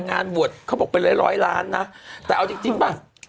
งานวัตเขาบอกเป็นร้อยร้านเนอะแต่เอาจริงจริงต่อ